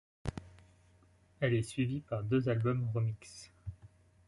Elle est suivie par deux albums remix.